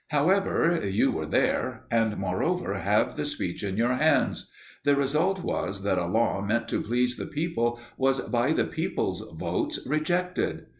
However, you were there, and moreover have the speech in your hands. The result was that a law meant to please the people was by the people's votes rejected.